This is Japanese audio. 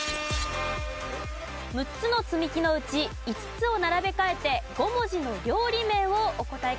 ６つの積み木のうち５つを並べ替えて５文字の料理名をお答えください。